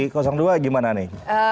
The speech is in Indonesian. kalau dari dua gimana nih